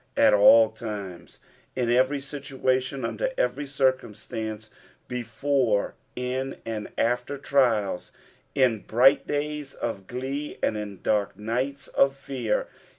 'MtoS times," in cTerj situation, under every circumstance, before, in and after trials, in bright daya of glee, and dark nights of fear.